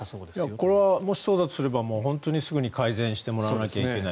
これはもしそうだとすれば本当にすぐ改善してもらわないといけない。